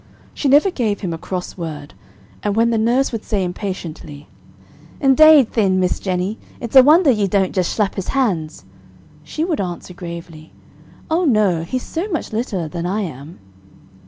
She never gave him a cross word, and when the nurse would say impatiently, "Indade, thin, Miss Jennie, it's a wonder ye don't just shlap his hands!" she would answer gravely, "Oh, no, he's so much littler than I am."